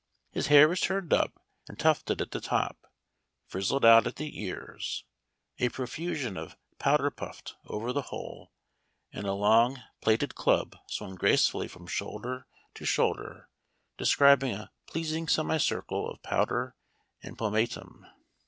His hair was turned up and tufted at the ■ top, frizzled out at the ears, a profusion of pow 4 der purled over the whole, and a long plaited club swung gracefully from shoulder to shoul • Memoir of Washington Irving. 47 der, describing a pleasing semicircle of powder and pomatum.